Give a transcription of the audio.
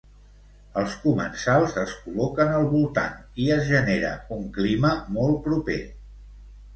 Els comensals es col·loquen al voltant i es genera un clima molt proper.